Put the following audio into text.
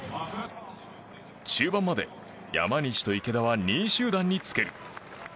中盤まで山西と池田は２位集団につける。